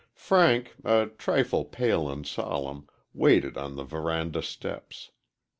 Frank, a trifle pale and solemn, waited on the veranda steps.